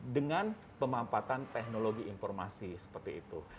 dengan pemampatan teknologi informasi seperti itu